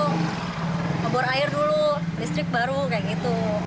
mbak mbak bor air dulu listrik baru kayak gitu